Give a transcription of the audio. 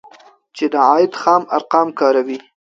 چې د عاید خام ارقام کاروي